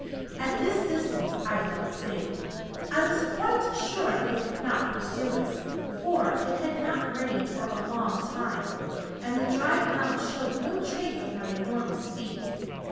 At this distance I felt safe. I was quite sure they could not pursue us, for it had not rained for a long time, and the dry ground showed no trace of my enormous feet.